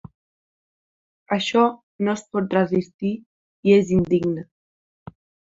Això no es pot resistir i és indigne.